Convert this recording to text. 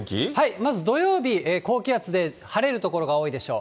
まず土曜日、高気圧で晴れる所が多いでしょう。